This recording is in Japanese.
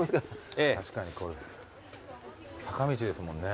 確かにこれ坂道ですもんね。